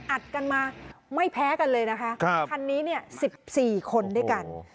อัดกันมาไม่แพ้กันเลยนะคะคันนี้เนี่ย๑๔คนด้วยกัน